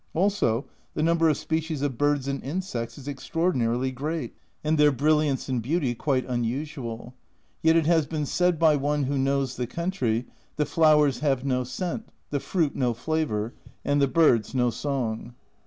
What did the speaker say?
Also the number of species of birds and insects is extra ordinarily great, and their brilliance and beauty quite unusual. Yet it has been said by one who knows the country, "The flowers have no scent, the fruit no flavour, and the birds no song